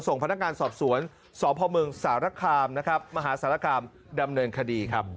ส่งพนักงานสอบสวนสพเมืองสารคามนะครับมหาสารคามดำเนินคดีครับ